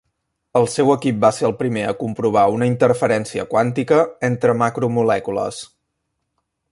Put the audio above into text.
El seu equip va ser el primer a comprovar una interferència quàntica entre macromolècules.